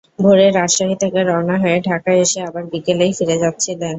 ভোরে রাজশাহী থেকে রওনা হয়ে ঢাকায় এসে আবার বিকেলেই ফিরে যাচ্ছিলেন।